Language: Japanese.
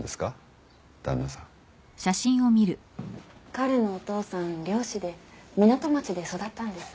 彼のお父さん漁師で港町で育ったんです。